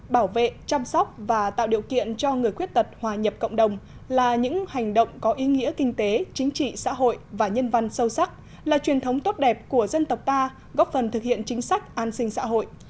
bảo vệ chăm sóc và tạo điều kiện cho người khuyết tật hòa nhập cộng đồng là những hành động có ý nghĩa kinh tế chính trị xã hội và nhân văn sâu sắc là truyền thống tốt đẹp của dân tộc ta góp phần thực hiện chính sách an sinh xã hội